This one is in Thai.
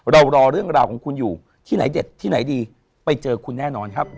รอเรื่องราวของคุณอยู่ที่ไหนเด็ดที่ไหนดีไปเจอคุณแน่นอนครับ